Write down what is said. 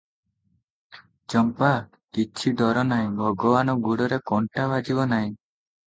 ଚମ୍ପା - କିଛି ଡର ନାହିଁ, ଭଗବାନ ଗୋଡ଼ରେ କଣ୍ଟା ବାଜିବ ନାହିଁ ।